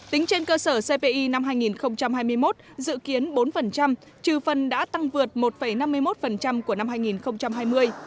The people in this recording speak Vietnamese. tính trên cơ sở cpi năm hai nghìn hai mươi một dự kiến bốn trừ phần đã tăng vượt một năm mươi một của năm hai nghìn hai mươi